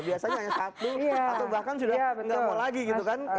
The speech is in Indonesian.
biasanya hanya satu atau bahkan sudah nggak mau lagi gitu kan